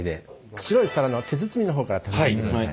白い皿の手包みの方から食べてみてください。